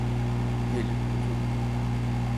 Gelin, oturun.